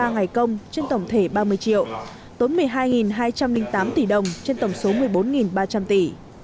bảy trăm chín mươi ba ngày công trên tổng thể ba mươi triệu tốn một mươi hai hai trăm linh tám tỷ đồng trên tổng số một mươi bốn ba trăm linh tỷ